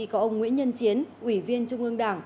có ông nguyễn nhân chiến ủy viên trung ương đảng